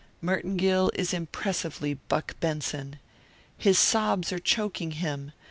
Merton Gill is impressively Buck Benson. His sobs are choking him.